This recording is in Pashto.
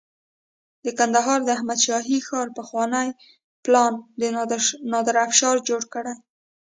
د کندهار د احمد شاهي ښار پخوانی پلان د نادر افشار جوړ کړی